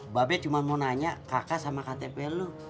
mbak be cuma mau nanya kakak sama katepel lu